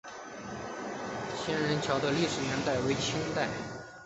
仙人桥的历史年代为清代。